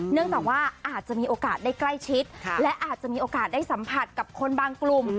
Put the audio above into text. เนื่องจากว่าอาจจะมีโอกาสได้ใกล้ชิดและอาจจะมีโอกาสได้สัมผัสกับคนบางกลุ่ม